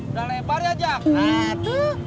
udah lebar ya jakat